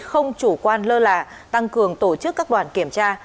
không chủ quan lơ là tăng cường tổ chức các đoàn kiểm tra